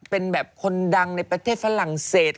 เป็นแบบคนดังในประเทศฝรั่งเศส